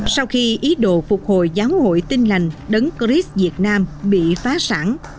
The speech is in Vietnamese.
sau khi ý đồ phục hồi giáo hội tin lành đấng cris việt nam bị phá sản